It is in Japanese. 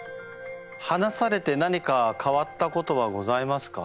話されて何か変わったことはございますか？